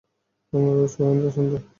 আমার rose wine পছন্দ।